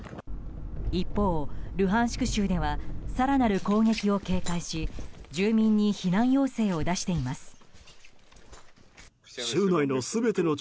一方、ルハンシク州では更なる攻撃を警戒し住民に避難要請を出しています。